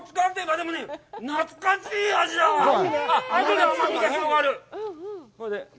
でも、懐かしい味だわぁ。